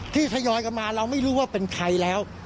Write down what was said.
ทยอยกลับมาเราไม่รู้ว่าเป็นใครแล้ว